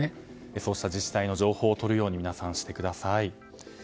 そうした自治体の情報を取るようにしてください。